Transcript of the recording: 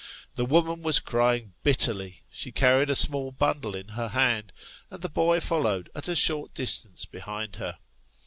The woman was crying bitterly ; she carried a small bundle in her hand, and the boy followed at a short distance behind her.